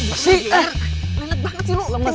lu sangat lemah